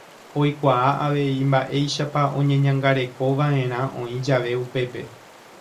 Oikuaa avei mba'éichapa oñeñangarekova'erã oĩ jave upépe.